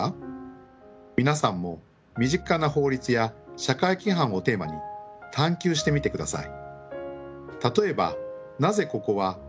皆さんも身近な法律や社会規範をテーマに探究してみてください。